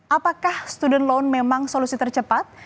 apakah student loan memang solusi tercepat